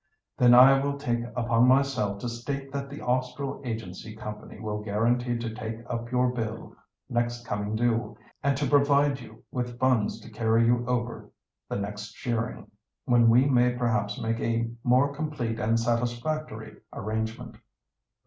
"Then I will take upon myself to state that the Austral Agency Company will guarantee to take up your bill next coming due, and to provide you with funds to carry you over the next shearing, when we may perhaps make a more complete and satisfactory arrangement."